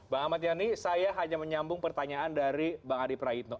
bang amad yanni saya hanya menyambung pertanyaan dari bang adip rayitno